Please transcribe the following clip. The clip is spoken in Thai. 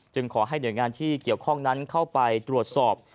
ขอให้หน่วยงานที่เกี่ยวข้องนั้นเข้าไปตรวจสอบ